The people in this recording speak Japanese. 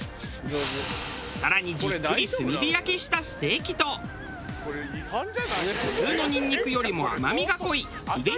更にじっくり炭火焼きしたステーキと普通のにんにくよりも甘みが濃いひげ